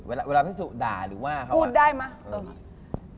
เวลาพิสูจน์ด่าหรือว่าเขาอ่ะพูดได้มั้ย